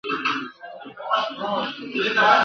پر وطن يې جوړه كړې كراري وه !.